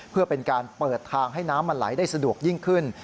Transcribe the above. เพื่อเป็นการเปิดทางให้น้ำมันไหลได้สะดวกยิ่งขึ้น